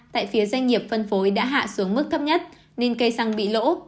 tại phía doanh nghiệp phân phối đã hạ xuống mức thấp nhất nên cây xăng bị lỗ